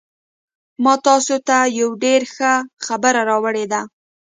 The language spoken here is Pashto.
ما تاسو ته یو ډېر ښه خبر راوړی دی